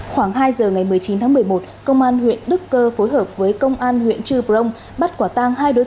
khoảng hai giờ ngày một mươi chín tháng một mươi một công an huyện đức cơ phối hợp với công an huyện trư prong bắt quả tang hai đối